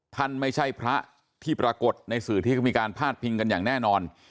ท่านไม่ใช่พระที่ปรากฏในสื่อที่เขามีการพาดพิงกันอย่างแน่นอน